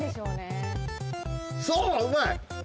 そううまい！